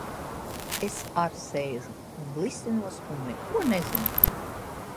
Es ar sēžu un blisinos un neko nezinu.